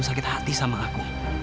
kamu yakin aida enggak lebih premium